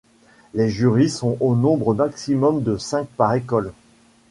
Les jurys sont au nombre maximum de cinq par école.